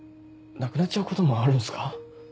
なくなっちゃうこともあるんすか？